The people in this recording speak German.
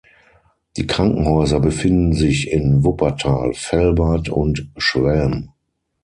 Die Krankenhäuser befinden sich in Wuppertal, Velbert und Schwelm.